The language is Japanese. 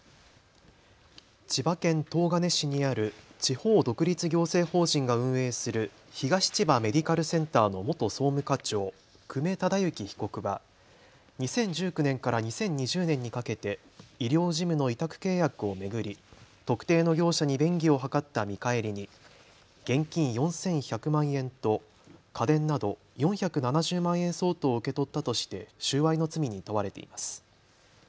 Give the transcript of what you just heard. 千葉県東金市にある地方独立行政法人が運営する東千葉メディカルセンターの元総務課長、久米忠之被告は２０１９年から２０２０年にかけて医療事務の委託契約を巡り特定の業者に便宜を図った見返りに現金４１００万円と家電など４７０万円相当を受け取ったとして収賄の罪に問われています。